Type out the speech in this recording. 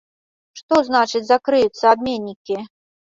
Што значыць закрыюцца абменнікі?